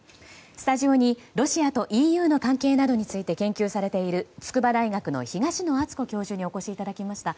スタジオに、ロシアとＥＵの関係などについて研究されている筑波大学の東野篤子教授にお越しいただきました。